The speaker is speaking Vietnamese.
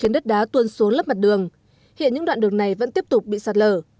đất đá tuôn xuống lấp mặt đường hiện những đoạn đường này vẫn tiếp tục bị sạt lở